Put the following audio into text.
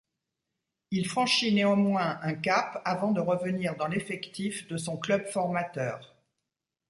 Il franchit néanmoins un cap avant de revenir dans l'effectif de son club formateur.